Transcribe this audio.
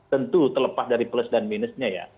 tentu terlepas dari plus dan minusnya ya